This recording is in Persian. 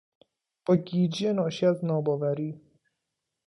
با گیجی ناشی از ناباوری